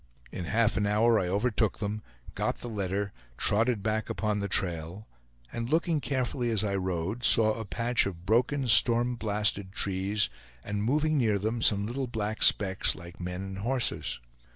In half an hour I overtook them, got the letter, trotted back upon the trail, and looking carefully, as I rode, saw a patch of broken, storm blasted trees, and moving near them some little black specks like men and horses.